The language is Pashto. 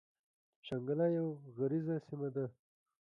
شانګله يوه غريزه سيمه ده ـ